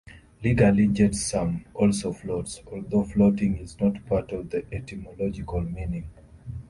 Legally jetsam also floats, although floating is not part of the etymological meaning.